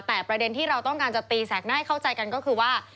แต่ประเด็นที่เราต้องการจะตีแสกหน้าให้เข้าใจกันก็คือว่า